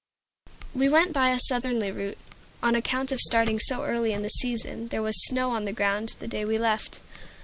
We went by a southerly route, on account of starting so early in the season there was snow on the ground the day we left.